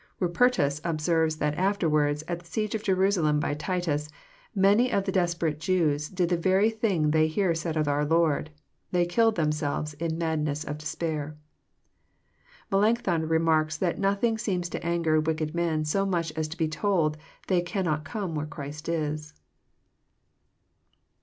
Bupertus observes that afterwards, at the siege of Jerusalem by Titus, many of the desperate Jews did the very thing ihoy here said of our Lord — they killed themselves in madness of despair. Melancthon remarks that nothing seems to anger wicked men so much as to be told they cannot come where Christ is.